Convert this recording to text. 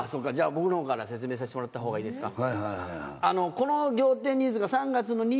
僕のほうから説明させてもらったほうがいいですか。